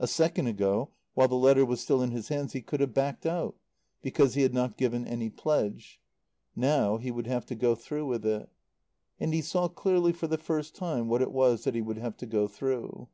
A second ago, while the letter was still in his hands, he could have backed out, because he had not given any pledge. Now he would have to go through with it. And he saw clearly for the first time what it was that he would have to go through.